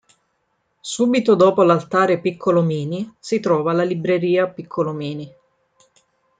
Subito dopo l'Altare Piccolomini si trova la Libreria Piccolomini.